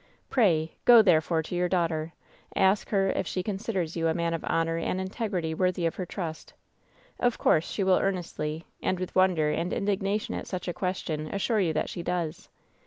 Pray go, therefore, to your daughter, ask her if she considers you a man of honor and integrity worthy of her trust. Of course, she will earnestly, and with wonder and in dignation at such a question, assure you that she does.